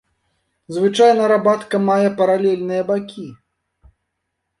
Звычайна рабатка мае паралельныя бакі.